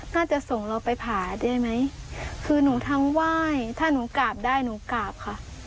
น่าจะส่งเราไปผ่าได้ไหมคือหนูทั้งไหว้ถ้าหนูกราบได้หนูกราบค่ะ